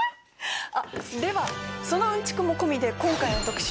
あっではそのうんちくも込みで今回の特集